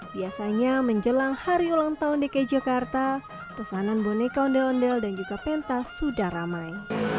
biasanya menjelang hari ulang tahun dki jakarta pesanan boneka ondel ondel dan juga penta sudah ramai